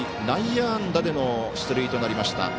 内野安打での出塁となりました。